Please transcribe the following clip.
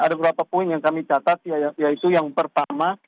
ada beberapa poin yang kami catat yaitu yang pertama